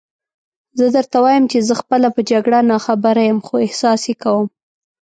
زه درته وایم چې زه خپله په جګړه ناخبره یم، خو احساس یې کوم.